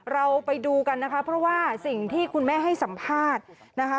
เราไปดูกันนะคะเพราะว่าสิ่งที่คุณแม่ให้สัมภาษณ์นะคะ